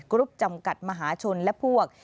รุ๊ปจำกัดมหาชนและพวก